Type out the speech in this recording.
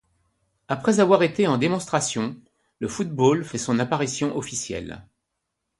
Après avoir été en démonstration, le football fait son apparition officielle.